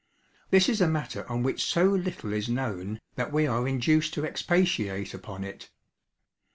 This is a matter on which so little is known, that we are induced to expatiate upon it.